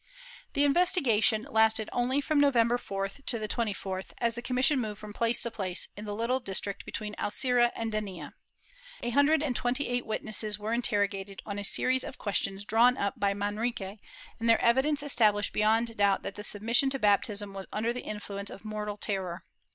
^ The investigation lasted only from November 4th to the 24th, as the commission moved from place to place, in the little district between Alcira and Denia. A hundred and twenty eight wit nesses were interrogated on a series of questions drawn up by Manrique and their evidence established beyond doubt that submission to baptism was under the influence of mortal terror.